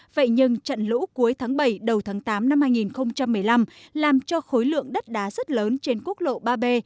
vậy nhưng trận lũ cuối tháng bảy đầu tháng tám năm hai nghìn một mươi năm làm cho khối lượng đất đá rất lớn trên quốc lộ ba b